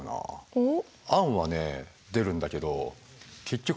おっ。